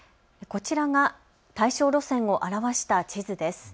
こちらが対象路線を表した地図です。